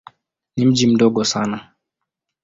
Ni mji mdogo sana.